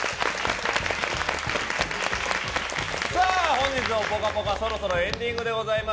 本日の「ぽかぽか」そろそろエンディングでございます。